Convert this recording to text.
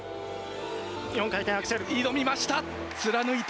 ４回転アクセル、挑みました。